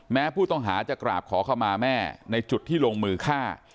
แม้ผู้ต้องหาจะกราบขอเข้ามาแม่ในจุดที่ลงมือฆ่า